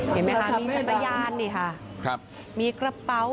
เห็นไหมครับมีรถขนี้มีกระเป๋า